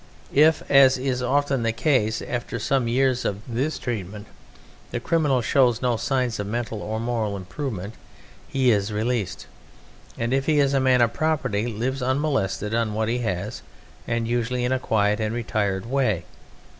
If (as is often the case) after some years of this treatment the criminal shows no signs of mental or moral improvement, he is released; and if he is a man of property, lives unmolested on what he has, and that usually in a quiet and retired way.